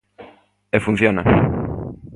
E funciona.